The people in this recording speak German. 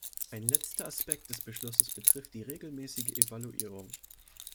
Ein letzter Aspekt des Beschlusses betrifft die regelmäßige Evaluierung.